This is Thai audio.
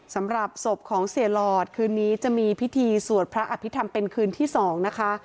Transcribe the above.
สำหรับศพของเสียหลอดคืนนี้จะมีพิธีสวดพระอภิษฐรรมเป็นคืนที่๒นะคะ